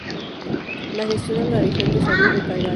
Lo gestiona la Región de Salud de Calgary.